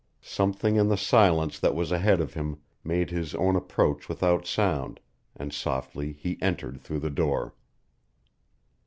Something in the silence that was ahead of him made his own approach without sound, and softly he entered through the door.